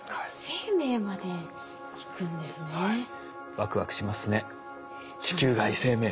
ワクワクしますね地球外生命。